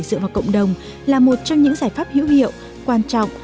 dựa vào cộng đồng là một trong những giải pháp hữu hiệu quan trọng